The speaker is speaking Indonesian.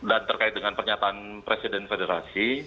terkait dengan pernyataan presiden federasi